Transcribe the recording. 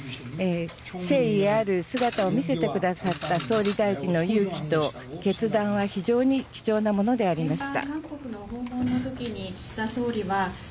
誠意ある姿を見せてくださった総理大臣の勇気と決断は非常に貴重なものでありました。